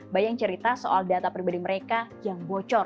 bayang cerita soal data pribadi mereka yang bocor